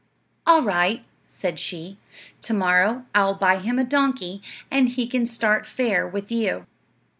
"All right," said she; "to morrow I'll buy him a donkey, and he can start fair with you."